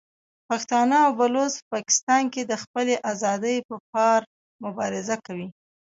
پښتانه او بلوڅ په پاکستان کې د خپلې ازادۍ په پار مبارزه کوي.